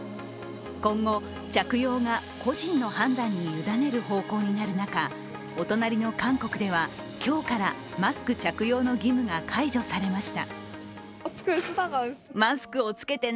今後、着用が個人の判断に委ねる方向になる中お隣の韓国では今日からマスク着用の義務が解除されました。